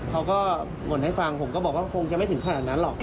เขาก็บ่นให้ฟังผมก็บอกว่าคงจะไม่ถึงขนาดนั้นหรอก